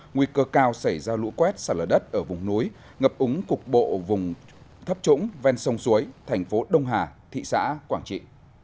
nguy cơ cao xảy ra lũ quét xả lở đất ở vùng núi ngập úng cục bộ vùng thấp trũng ven sông suối thành phố đông hà thị xã quảng trị